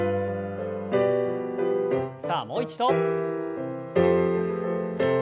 さあもう一度。